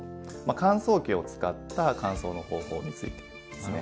乾燥機を使った乾燥の方法についてですね。